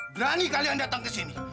berani kalian datang ke sini